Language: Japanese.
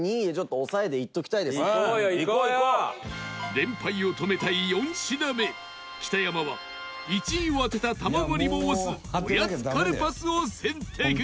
連敗を止めたい４品目北山は１位を当てた玉森も推すおやつカルパスを選択